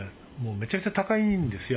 めちゃくちゃ高いんですよ。